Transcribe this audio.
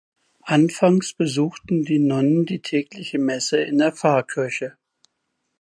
Anfangs besuchten die Nonnen die tägliche Messe in der Pfarrkirche.